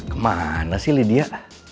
kemana sih lydia